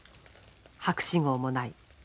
博士号もない。